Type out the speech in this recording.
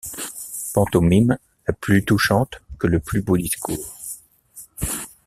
pantomime plus touchante que le plus beau discours